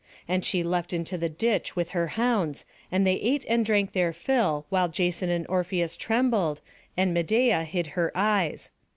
And she leapt into the ditch with her hounds, and they ate and drank their fill, while Jason and Orpheus trembled, and Medeia hid her eyes.